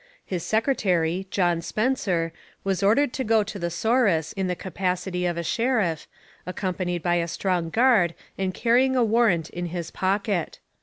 His secretary, John Spencer, was ordered to go to the Souris in the capacity of a sheriff, accompanied by a strong guard and carrying a warrant in his pocket.